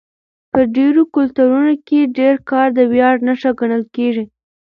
په ډېرو کلتورونو کې ډېر کار د ویاړ نښه ګڼل کېږي.